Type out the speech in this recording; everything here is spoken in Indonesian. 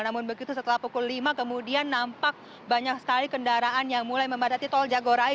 namun begitu setelah pukul lima kemudian nampak banyak sekali kendaraan yang mulai memadati tol jagorai